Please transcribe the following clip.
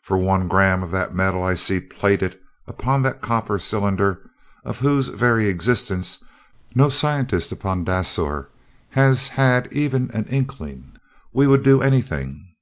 For one gram of that metal I see plated upon that copper cylinder, of whose very existence no scientist upon Dasor has had even an inkling, we would do almost anything.